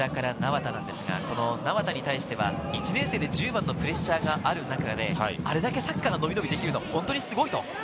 名和田に対しては１年生で１０番のプレッシャーがある中で、それだけサッカーがのびのびできるのは本当にすごいと。